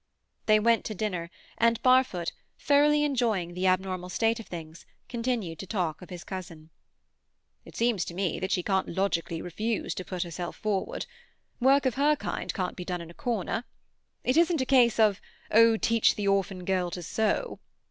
They went to dinner, and Barfoot, thoroughly enjoying the abnormal state of things, continued to talk of his cousin. "It seems to me that she can't logically refuse to put herself forward. Work of her kind can't be done in a corner. It isn't a case of "Oh teach the orphan girl to sew.""